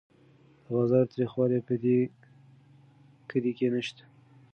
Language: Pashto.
د بازار تریخوالی په دې کلي کې نشته.